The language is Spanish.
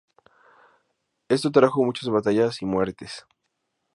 Esto trajo muchas batallas y muertes.